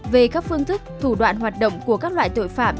về các phương thức thủ đoạn hoạt động của các loại tội phạm